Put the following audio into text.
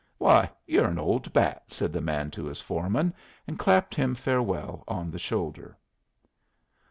"Why, you're an old bat!" said the boy to his foreman, and clapped him farewell on the shoulder.